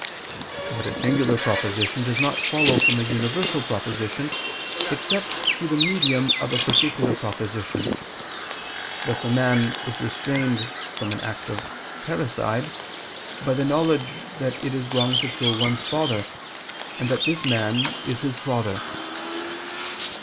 But a singular proposition does not follow from a universal proposition, except through the medium of a particular proposition: thus a man is restrained from an act of parricide, by the knowledge that it is wrong to kill one's father, and that this man is his father.